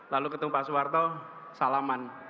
lalu ketemu pak soeharto salaman